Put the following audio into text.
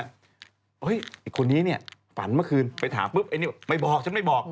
ไอ้คนนี้เนี่ยฝันเมื่อคืนไปถามปุ๊บไอ้นี่ไม่บอกฉันไม่บอก